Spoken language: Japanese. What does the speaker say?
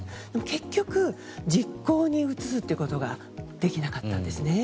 結局、実行に移すことができなかったんです。